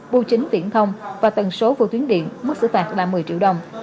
bưu chính viễn thông và tần số vô tuyến điện mức xử phạt là một mươi triệu đồng